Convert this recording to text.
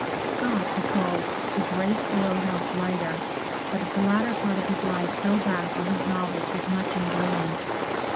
Scott he called " a great ale house writer," but at the latter part of his life fell back on his novels with much enjoy ment.